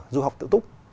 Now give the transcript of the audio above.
du học tự túc